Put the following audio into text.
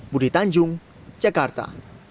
budi tanjung jakarta